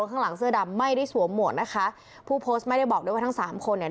ข้างหลังเสื้อดำไม่ได้สวมหมวกนะคะผู้โพสต์ไม่ได้บอกด้วยว่าทั้งสามคนเนี่ย